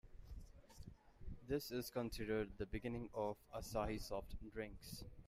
This is considered the beginning of Asahi Soft Drinks.